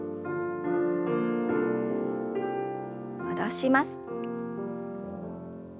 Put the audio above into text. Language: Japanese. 戻します。